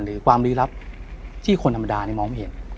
หรือความลี้ลับที่คนธรรมดามองไม่เห็น